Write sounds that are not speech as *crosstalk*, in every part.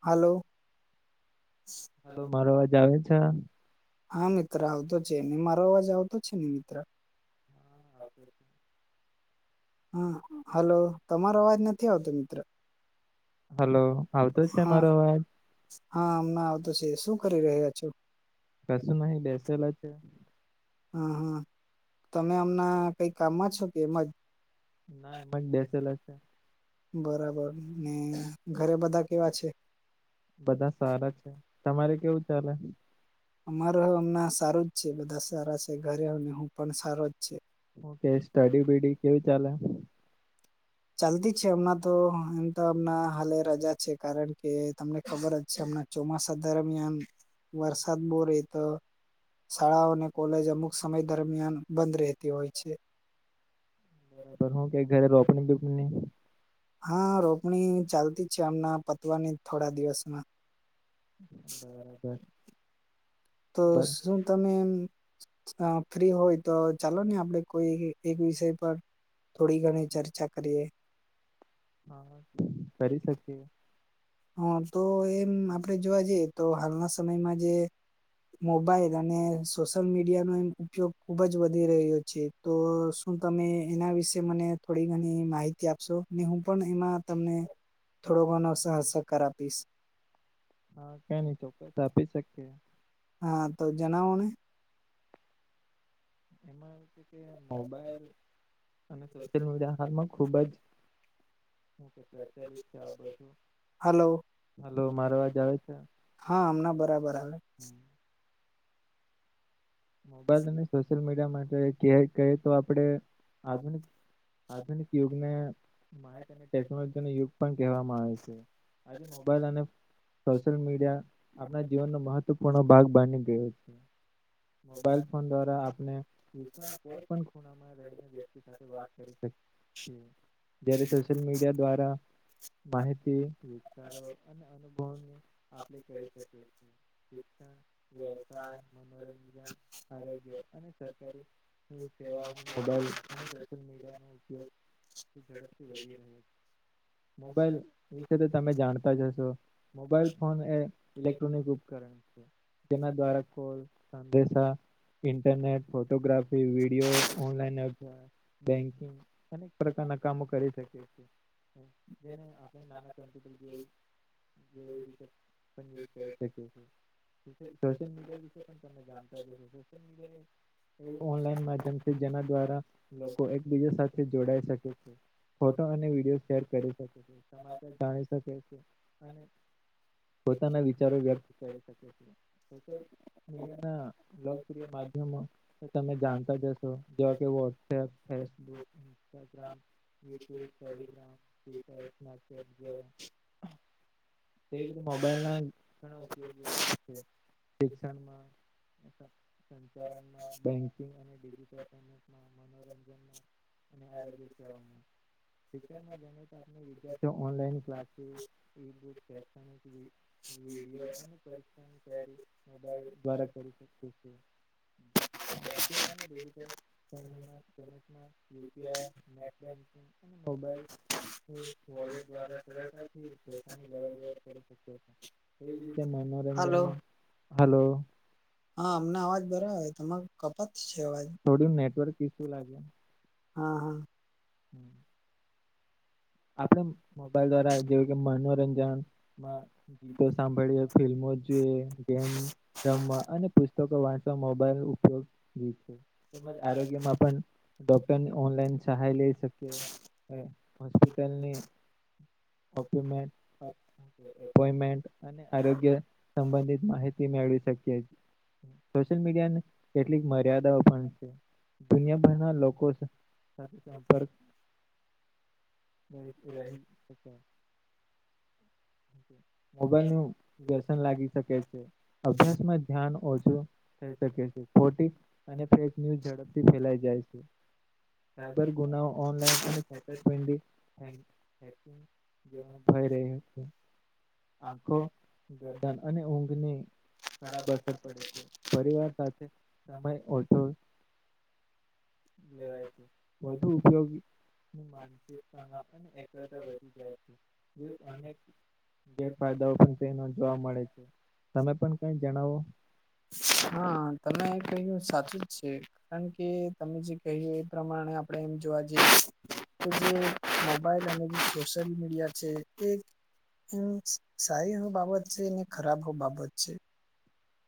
હાલો. Hello મારો અવાજ આવે છે? હા, મિત્ર આવતો છે, ને મારો અવાજ આવતો છે, ને મિત્ર? *inaudible* હા હાલો તમારો અવાજ નથી આવતો મિત્ર હલો આવતો છે, હા મારો અવાજ? હા, અમના આવતો છે, શું કરી રહ્યા છો? કસું નહી બેેસેલા છે. હા, હા તમે અમના કઈ કામમાં છો, કે એમ જ? ના એમજ બેસેલા છે. બરાબર ને ઘરે બધા કેવા છે? બધા સારા છે, તમારે કેવું ચાલે? અમારો અમણાં સારું જ છે, બધા સારા છે, ઘરે હું પણ સારો જ છે. ઓકે સ્ટડી બીડી કેવી ચાલે? ચાલતી છે, હમણાં તો એમ તો હમણા હાલે છે, કારણ કે તમને ખબર જ હમણા ચોમાસા દરમિયાન વરસાદ બો રેય તો શાળાઓ અને કોલેજ અમુક સમય દરમિયાન બંધ રહેતી હોય છે. પર હું કે ઘરે રોપણી બૉપની? હા રોપણી ચાલતી છે, આમના પતવાની થોડા દિવસમાં *inaudible* તો બર શું તમે ફ્રી હોય તો ચાલો ને આપડે કોઈ એક વિષય પર... થોડી ઘણી ચર્ચા કરીએ. હા, કરી શકીએ. હા, તો એમ આપડે જોવા જઈએ તો હાલના સમયમાં જે. મોબાઈલ અને સોશિયલ મીડિયાનો એમ ઉપયોગ ખુબ જ વધી રહ્યો છે. તો શું તમે એના વિશે મને થોડી ઘણી માહિતી આપશો? હું પણ એમાં તમને થોડો ઘણો સહકાર આપીશ હા, કઈ નઈ ચોક્કસ આપી શકીશ. હા, તો જનાવો ને? *inaudible* કે મોબાઈલ અને સોશિયલ મીડિયા હાલમાં ખૂબજ *unintelligible* આ બધું, હલો હાલો, મારો અવાજ આવે છે? હા હમણાં બરાબર આવે મોબાઈલ અને સોશિયલ મીડિયા માટે ક કહી તો આપણે આધુનિક, આધુનિક યુગને, માહિત અને ટેકનોલોજીનો યુગ પણ કહેવામાં આવે છે. આજે મોબાઈલ અને સોશિયલ મીડિયા આપણા જીવનનો મહત્વપૂર્ણ ભાગ બની ગયો છે. મોબાઈલ ફોન દ્વારા આપણે વિશ્વના કોઈ પણ ખૂણામાં રહીને. *unintelligible* સાથે જયારે સોશિયલ મીડિયા દ્વારા માહિતી વિતારો અને અનુભવ આપણે કરી શકીએ. *inaudible* *inaudible* મોબાઈલ *inaudible* *inaudible* મોબાઈલ વિશે તો તમે જાણતા જ હશો મોબાઈલ ફોન એ ઇલેક્ટ્રોનિક ઉપકરણ છે જેના દ્વારા કોલ સંદેશા internet photography video online *unintelligible* banking અનેક પ્રકારના કામો કરી શકે છેએ *inaudible* જેવી રીતે સબમિટ કરી શકે છે. સોશલ મીડિયા વિશે પણ તમે જાણતા હશો સોશલ મીડિયાએ એવું ઓનલાઈન માધ્યમ છે જેના દ્વારા, લોકો એકબીજા સાથે જોડાઈ શકે છે. ફોટો અને વિડીયો શેર કરી શકે છે સમાચાર જાણી શકે છે અને પોતાના વિચારો વ્યક્ત કરી શકે છે, સોશિયલ મીડિયાના લોકપ્રિય માધ્યમો તો તમે જાણતા જશો જેવા કે વોટ્સએપ છે ન્સ્ટાગ્રામ, યુટ્યુબ, ટેલીગ્રામ, ટ્વીટ *unintelligible* વી રીતે મોબાઈલ ના *inaudible* સંચારણમાં બેન્કિંગ અને ડિજિટલ પેમેન્ટમાં મનોરંજનમાં અને આગ્ય સે શિક્ષણ જાણીતા વિદ્યાર્થીઓ ઓનલાઈન ક્લાસ *unintelligible* ની તૈયારી મોબાઈલ દ્વારા કરી શકે છે. બેંકિંગ અને ડિજિટલ *unintelligible* યુપીઆઈ નેટ બેન્કિંગ અને મોબાઈલ વોલેટ દ્વારા સરળતાથી પૈસાની લેવડ દેવડ કરી શકે છે. એવી જ રીતે હલો મનોરંજનમાં હલો હા અમને અવાજ બરાબર તમારો કપાત છે અવાજ થોડું નેટવર્ક ઇસ્યુ લાગે હા હા. હમ્મ. આપડે મોબાઈલ દ્વારા જેવું કે મનોરંજનમા ગીતો સાંભળીએ ફિલ્મો જ જોઈએ ગેમ રમવા અને પુસ્તકો વાંચવા મોબાઈલ ઉપયોગી તેમજ આરોગ્યમાં પણ ડોક્ટરની ઓનલાઈન સહાય લઈ શકીએ *unintelligible* *unintelligible* એપોમેન્ટ અને આરોગ્ય સંબંધિત માહિતી મેળવી શકીએ છીએ. સોશિયલ મીડિયા ને કેટલીક મર્યાદાઓ પણ છે. દુનિયાભરના લોકો સાથે સંપર્ક *unintelligible* મોબાઈલ નું વ્યસન લાગી શકે છે અભ્યાસમાં ધ્યાન ઓછું થઈ શકે છે ખોટી અને ફેક ન્યૂઝ ઝડપથી ફેલાઈ જાય છે. સાયબર ગુનાઓ ઓનલાઈન અને છેતરપિંડી હેકિંગ ભય રહીયો છે આંખો ગરદન અને ઊંઘની ખરાબ અસર પડે છે પરિવાર સાથે સમય ઓછો *unintelligible* છે વધુ ઉપયોગ માનસિક તણાવ અને એકલતા વધુ *unintelligible* ગેરફાયદાઓ પણ છે એ જોવા મળે છે તમે પણ કઈ જણાવો હા તમે તમે કહ્યું સાચું જ છે કારણ કે તમે જે કહ્યું એ પ્રમાણે આપણે એમ જોવા જઈએ જે મોબાઈલ અને જે સોશિયલ મીડિયા છે એ એમ સારી એ બાબત છે ને ખરાબ બાબત છે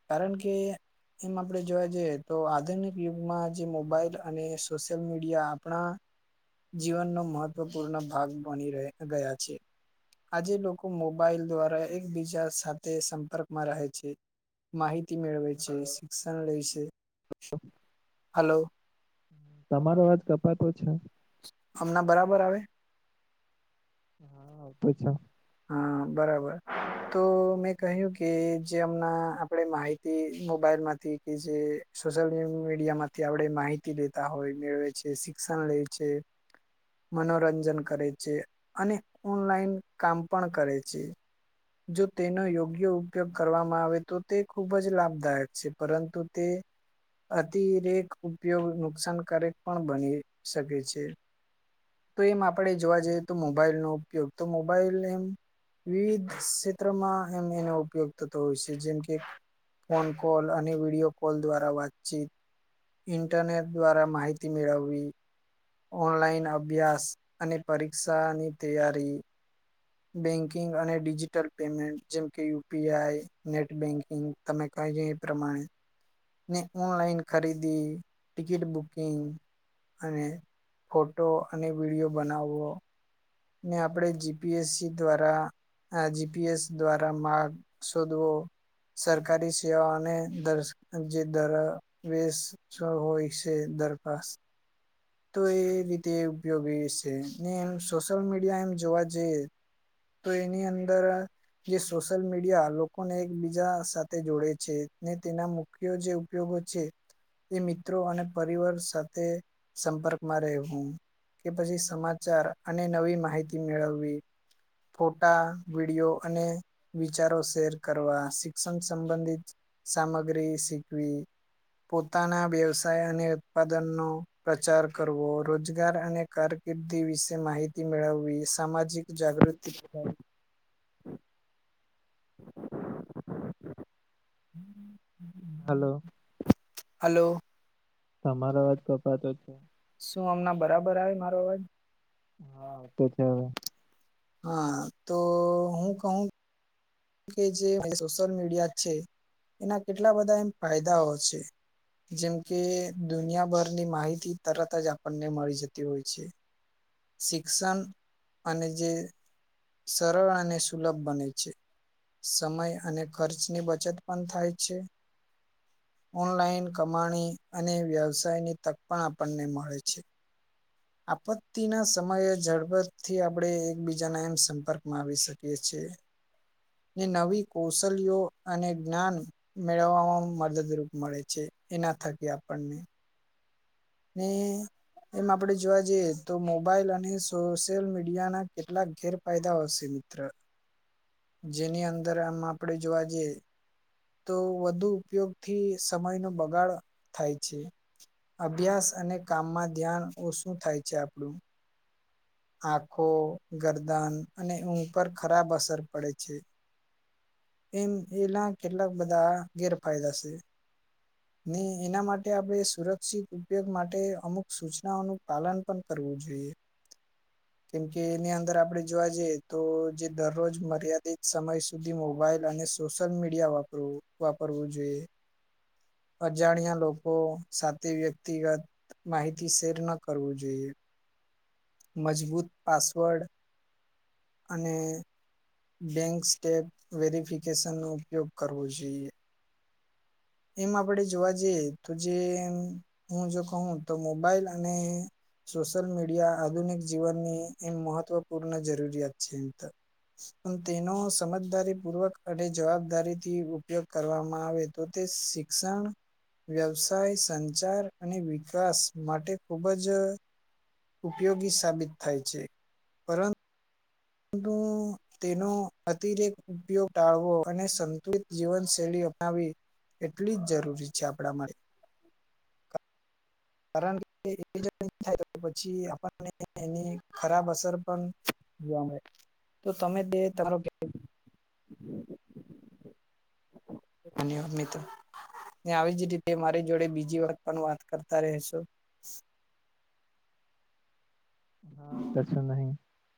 કારણ કે એમ આપણે જોવા જઈએ તો આધુનિક યુગમાં જે મોબાઈલ અને સોશિયલ મીડિયા આપણા જીવનનો મહત્વપૂર્ણ ભાગ બની ર ગયા છે આજે લોકો મોબાઈલ દ્વારા એકબીજા સાથે સંપર્કમાં રહે છે માહિતી મેળવે છે શિક્ષણ લે છે. હલો તમારો અવાજ જ કપાતો છે હમણા બરાબર આવે હા આવતો છે હા બરાબર તો મેં કહ્યું કે જે હમણાં આપણે માહિતી મોબાઈલમાંથી કે જે સોશિયલ મીડિયા માંથી આપણે માહિતી લેતા હોય મેળવે છે શિક્ષણ લે છે મનોરંજન કરે છે અને ઓનલાઈન કામ પણ કરે છે. જો તેનો યોગ્ય ઉપયોગ કરવામાં આવે તો તે ખૂબ જ લાભદાયક છે પરંતુ તે અતિરેક ઉપયોગ નુકસાનકારક પણ બની શકે છે. તો એમ આપણે જોવા જઈએ તો મોબાઈલ નો તો બહુ મોબાઈલ એમ વિવિધ ક્ષેત્રમાં એમ એનો ઉપયોગ થતો હોય છે જેમ કે, ફોન કોલ અને વિડીયો કોલ દ્વારા વાતચીત. ઇન્ટરનેટ દ્વારા માહિતી મેળવવી. ઓનલાઈન અભ્યાસ અને પરીક્ષા ની તૈયારી. બેંકિંગ અને ડિજિટલ પેમેન્ટ જેમકે યુપીઆઈ નેટ બેન્કિંગ. તમે કહે છે એ પ્રમાણે, ને ઓનલાઈન ખરીદી, ટિકિટ બુકિંગ, અને ફોટો અને વિડીયો બનાવવો. ને આપણે જીપીએસસી દ્વારા, આ જીપીએસ દ્વારા માર્ગ શોધવો. સરકારી સેવાઓને દસ જે દર *unintelligible* જો હોય છે દરખાસ, તો એ રીતે ઉપયોગી છે ને એમ સોશિયલ મીડિયા એમ જોવા જઈએ. તો એની અંદર, જે સોશિયલ મીડિયા લોકોને એકબીજા સાથે જોડે છે ને તેના મુ મુખ્ય જે ઉપયોગો છે એ મિત્રો અને પરિવાર સાથે, સંપર્કમાં રહેવું કે પછી સમાચાર અને નવી માહિતી મેળવવી. ફોટા, વિડીયો અને, વિચારો શેર કરવા શિક્ષણ સંબંધિત સામગ્રી શીખવી. પોતાના વ્યવસાય અને ઉત્પાદનનો, પ્રચાર કરવો રોજગાર અને કારકિર્દી વિશે માહિતી મેળવવી સામાજિક, જાગૃતિ થ હલો. હલો. તમારો અવાજ કપાતો શું હમના બરાબર આવે મારો અવાજ હા આવ તો છે હવે. હા તો હું કહું. કે જે સોશિયલ મીડિયા છે એના કેટલા બધા એમ ફાયદાઓ છે. જેમ કે દુનિયાભરની માહિતી તરત જ આપણને મળી જતી હોય છે. શિક્ષણ અને જે સરળ અને સુલભ બને છે. સમય અને ખર્ચની બચત પણ થાય છે. ઓનલાઈન કમાણી અને વ્યવસાયની તક પણ આપણને મળે છે. આપત્તિ ના સમયે ઝડપરથી આપડણે એકબીજાના એમ સંપર્કમાં આવી શકીએ છીએ. નવી કૌશલ્યો અને જ્ઞાન મેળવવામાં મદદરૂપ મળે છે એના થકી આપણને હમ. એમ આપડે જોવા જઈએ તો મોબાઈલ અને સોશિયલ મીડિયા ના કેટલાક ગેરફાયદાઓ હશે મિત્ર. જેની અંદર આમ આપડે જોવા જઈએ. તો વધુ ઉપયોગ થી સમય નો બગાડ થાય છે. અભ્યાસ અને કામમાં ધ્યાન ઓ શું થાય છે આપણું. આંખો ગરદાન અને ઊંઘ પર ખરાબ અસર પડે છે. એમ એના કેટલાક બધા ગેરફાયદા છે. ને એના માટે આપણે સુરક્ષિત ઉપયોગ માટે અમુક સૂચનાઓનું પાલન પણ કરવું જોઈએ. કેમકે એની અંદર આપડે જોવા જઈએ તો જે દરરોજ મર્યાદિત સમય છે. સુધી મોબાઈલ અને સોશિયલ મીડિયા વાપરવું વાપરવું જોઈએ. અજાણ્યા લોકો સાથે વ્યક્તિગત માહિતી શેર ન કરવું જોઈએ. મજબૂત પાસવર્ડ અને બેન્ક સ્ટેપ વેરિફિકેશન નો ઉપયોગ કરવો જોઈએ. એમ આપણેે જોવા જઈએ તો જે હું જો કહું તો મોબાઈલ અને સોશિયલ મીડિયા આધુનિક જીવનની એમ મહત્વપૂર્ણ જરૂરિયાત છે એમ તો તેનો સમજદારીપૂર્વક અને જવાબદારીથી ઉપયોગ કરવામાં આવે તો. તે શિક્ષણ વ્યવસાય સંચાર અને વિકાસ માટે ખુબ જ ઉપયોગી સાબિત થાય છે પરં તું તેનો અતિરેક ઉપયોગ ટાળવો અને સંતુલિત જીવનશૈલી અપનાવી એટલી જ જરૂરી છે આપણા માટે કારણ કે એક બીજા *unintelligible* પછી આપણને એની ખરાબ અસર પણ જોવા મળે તો તમે *unintelligible* અને ન્યવા તો આવી જ રીતે મારી જોડે બીજી વાત પણ વાત કરતા રહેશો. હા તસ નહી.